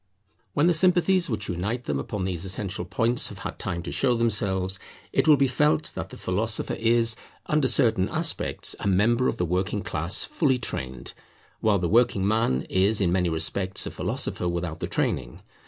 When the sympathies which unite them upon these essential points have had time to show themselves, it will be felt that the philosopher is, under certain aspects, a member of the working class fully trained; while the working man is in many respects a philosopher without the training.